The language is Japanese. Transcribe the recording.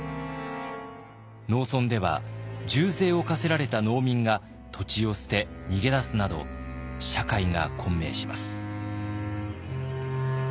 農村では重税を課せられた農民が土地を捨て逃げ出すなど社会が混迷します。